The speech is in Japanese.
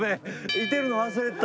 いてるの忘れてた。